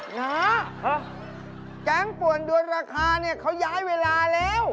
หนาแก๊งป่วนด้วนราคาเนี่ยเขาย้ายเวลาแล้ว